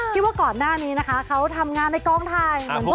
ที่ว่าก่อนหน้านี้นะคะเขาทำงานในกองถ่าย